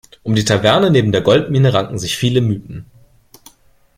Um die Taverne neben der Goldmine ranken sich viele Mythen.